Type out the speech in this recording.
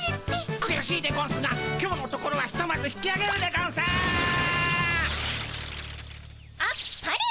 くやしいでゴンスが今日のところはひとまず引きあげるでゴンス！あっぱれ！